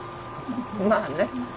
まあね。